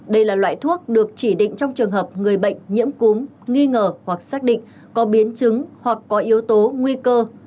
đây là loại thuốc được chỉ định trong trường hợp người bệnh nhiễm cúm nghi ngờ hoặc xác định có biến chứng hoặc có yếu tố nguy cơ